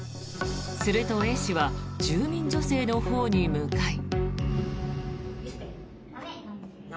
すると、Ａ氏は住民女性のほうに向かい。